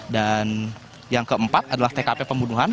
dan yang keempat adalah tkp pembunuhan